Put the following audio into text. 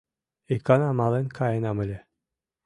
Икана мален каенам ыле.